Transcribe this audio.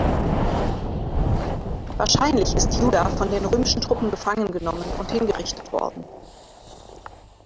Wahrscheinlich ist Juda von den römischen Truppen gefangen genommen und hingerichtet worden.